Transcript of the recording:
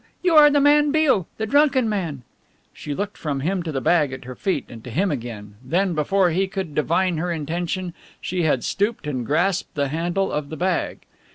You are the man Beale. The drunken man " She looked from him to the bag at her feet and to him again, then before he could divine her intention she had stooped and grasped the handle of the bag.